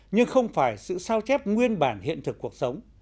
nhưng không phải sự sao chép nguyên bản hiện thực cuộc sống